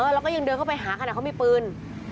แล้วก็ยังเดินเข้าไปหาขนาดเขามีปืน